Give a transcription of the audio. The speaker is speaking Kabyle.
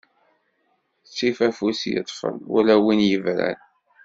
Ttif afus yeṭṭfen wal win yebran.